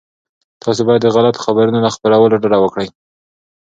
تاسي باید د غلطو خبرونو له خپرولو ډډه وکړئ.